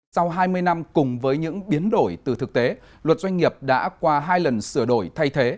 sau hai mươi năm cùng với những biến đổi từ thực tế luật doanh nghiệp đã qua hai lần sửa đổi thay thế